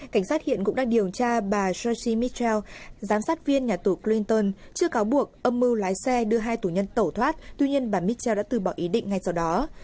cảnh sát hiện cũng đang điều tra bà shirley mitchell giám sát viên nhà tù clinton chưa cáo buộc âm mưu lái xe đưa hai tù nhân tổ thoát tuy nhiên bà mitchell đã từ bỏ ý định ngay sau đó